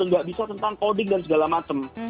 nggak bisa tentang coding dan segala macam